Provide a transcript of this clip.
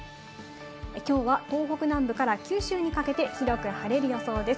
きょうは東北南部から九州にかけて広く晴れる予想です。